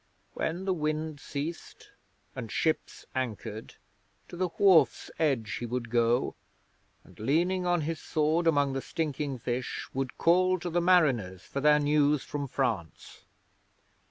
When the wind ceased and ships anchored, to the wharf's edge he would go and, leaning on his sword among the stinking fish, would call to the mariners for their news from France.